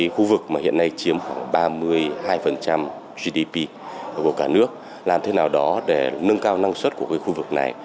khu vực mà hiện nay chiếm khoảng ba mươi hai gdp của cả nước làm thế nào đó để nâng cao năng suất của khu vực này